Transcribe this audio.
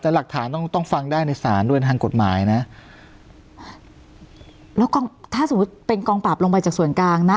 แต่หลักฐานต้องต้องฟังได้ในศาลด้วยทางกฎหมายนะแล้วกองถ้าสมมุติเป็นกองปราบลงไปจากส่วนกลางนะ